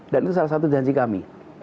dan itu salah satu janji kami